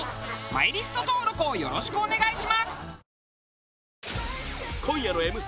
マイリスト登録をよろしくお願いします。